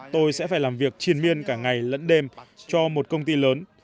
tôi sẽ phải làm việc triền miên cả ngày lẫn đêm cho một công ty lớn